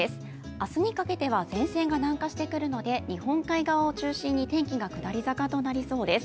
明日にかけては前線が南下してくるので日本海側を中心に天気が下り坂となりそうです。